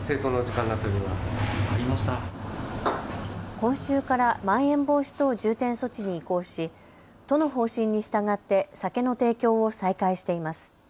今週からまん延防止等重点措置に移行し都の方針に従って酒の提供を再開しています。